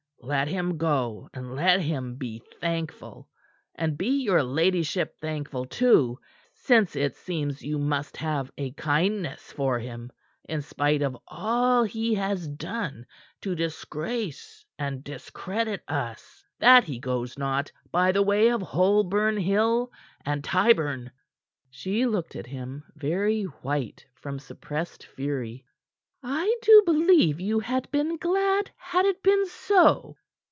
Let him go, and let him be thankful and be your ladyship thankful, too, since it seems you must have a kindness for him in spite of all he has done to disgrace and discredit us that he goes not by way of Holborn Hill and Tyburn." She looked at him, very white from suppressed fury. "I do believe you had been glad had it been so."